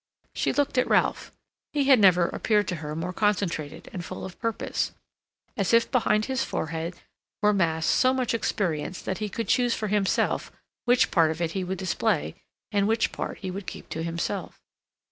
She looked at Ralph. He had never appeared to her more concentrated and full of purpose; as if behind his forehead were massed so much experience that he could choose for himself which part of it he would display and which part he would keep to himself.